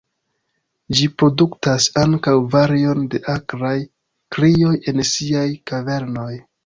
Ĝi produktas ankaŭ varion de akraj krioj en siaj kavernoj.